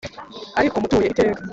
ari ko mutuye iteka